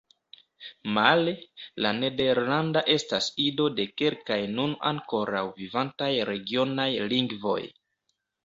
Male, la nederlanda estas ido de kelkaj nun ankoraŭ vivantaj regionaj lingvoj.